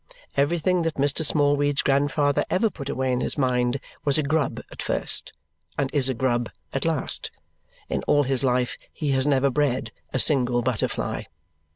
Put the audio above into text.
Everything that Mr. Smallweed's grandfather ever put away in his mind was a grub at first, and is a grub at last. In all his life he has never bred a single butterfly.